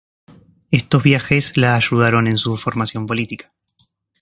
Estos viajes la ayudaron en su formación política.